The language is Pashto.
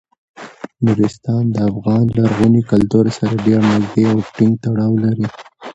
نورستان د افغان لرغوني کلتور سره ډیر نږدې او ټینګ تړاو لري.